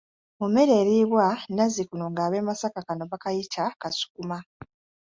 Mu mmere eriibwa nazzikuno nga ab'e Masaka kano bakayita kasukuma.